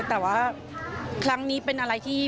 แต่ว่าครั้งนี้เป็นอะไรที่